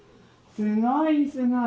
すごいすごい。